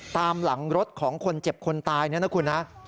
ตามหลังรถของคนเจ็บคนตายนะครับ